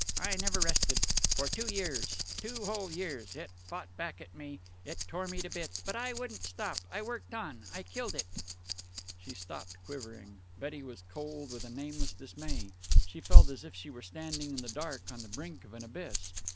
I never rested. For two years. Two whole years. It fought back at me. It tore me to bits. But I wouldn't stop. I worked on, I killed it." She stopped, quivering. Betty was cold with a nameless dismay. She felt as if she were standing in the dark on the brink of an abyss.